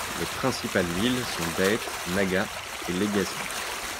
Les principales villes sont Daet, Naga et Legazpi.